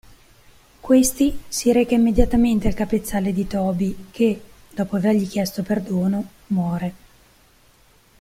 Questi si reca immediatamente al capezzale di Tobi che, dopo avergli chiesto perdono, muore.